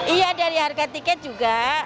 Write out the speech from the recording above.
iya dari harga tiket juga